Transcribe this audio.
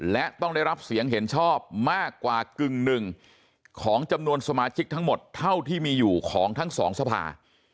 และต้องได้รับเสียงเห็นชอบมากกว่ากึ่งหนึ่งของจำนวนสมาชิกทั้งหมดเท่าที่มีอยู่ของทั้งสองสภา